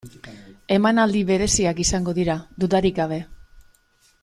Emanaldi bereziak izango dira, dudarik gabe.